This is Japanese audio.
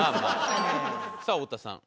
さあ太田さん。